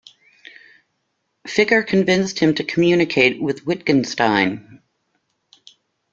Ficker convinced him to communicate with Wittgenstein.